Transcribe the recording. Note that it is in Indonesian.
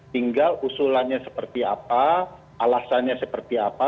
tinggal usulannya seperti apa alasannya seperti apa